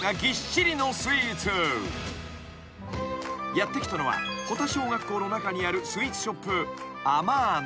［やって来たのは保田小学校の中にあるスイーツショップ］